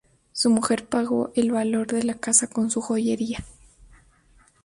Su mujer pagó el valor de la casa con su joyería.